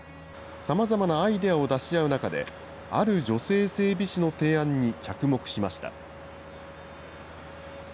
さまざまなアイデアを出し合う中で、ある女性整備士の提案に着目しました。